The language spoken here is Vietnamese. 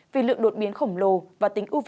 vì lượng đột biến khổng lồ và tính uv